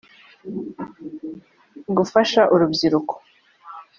gufasha urubyiruko